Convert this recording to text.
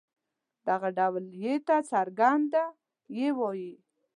دغه ډول ي ته څرګنده يې وايي.